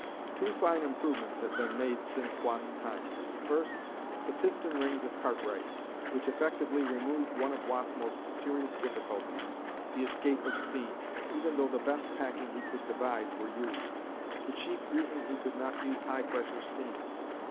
Two fine improvements have been made since Watt's time: first, the piston rings of Cartwright, which effectively removed one of Watt's most serious difficulties, the escape of steam, even though the best packing he could devise were used the chief reason he could not use high pressure steam.